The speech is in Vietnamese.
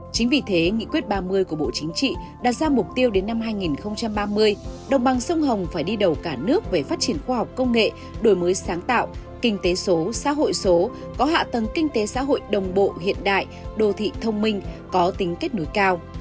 chính vì thế nghị quyết ba mươi của bộ chính trị đặt ra mục tiêu đến năm hai nghìn ba mươi đồng bằng sông hồng phải đi đầu cả nước về phát triển khoa học công nghệ đổi mới sáng tạo kinh tế số xã hội số có hạ tầng kinh tế xã hội đồng bộ hiện đại đô thị thông minh có tính kết nối cao